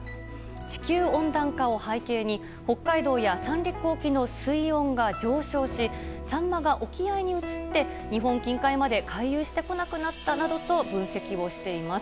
地球温暖化を背景に北海道や三陸沖の水温が上昇しサンマが沖合に移って日本近海まで回遊してこなくなったなどと分析しています。